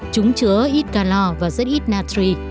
chúng chứa ít calor và rất ít natri